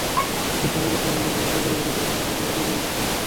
ম্যাচের আগে তামিম রসিকতা করে বলেছিলেন, মোহাম্মদ আমিরকে দিয়ে বিপাকে ফেলবেন তাঁকে।